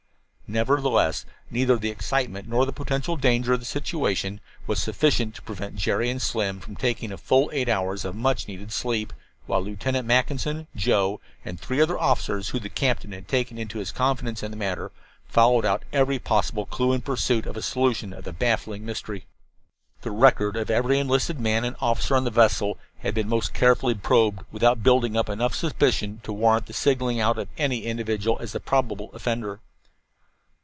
Nevertheless, neither the excitement nor the potential danger of the situation was sufficient to prevent Jerry and Slim from taking a full eight hours of much needed sleep, while Lieutenant Mackinson, Joe and three other officers whom the captain had taken into his confidence in the matter, followed out every possible clue in pursuit of a solution of the baffling mystery. The record of every enlisted man and officer on the vessel had been most carefully probed, without building up enough suspicion to warrant the singling out of any individual as the probable offender.